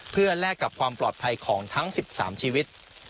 เพื่อแลกกับความปลอดภัยของทั้ง๑๓ชีวิต